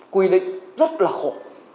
quy định rất là khổ